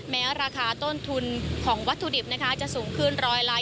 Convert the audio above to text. แม้ราคาต้นทุนของวัตถุดิบนะคะจะสูงขึ้น๑๒๐